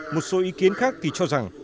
một số ý kiến khác thì cho rằng